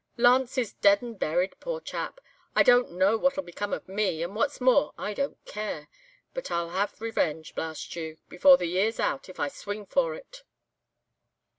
"'Lance is dead and buried, poor chap! I don't know what'll become of me. And what's more I don't care; but I'll have revenge, blast you! before the year's out, if I swing for it!